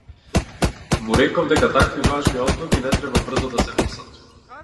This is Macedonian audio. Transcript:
Му реков дека такви важни одлуки не треба брзо да се носат.